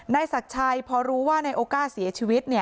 ศักดิ์ชัยพอรู้ว่านายโอก้าเสียชีวิต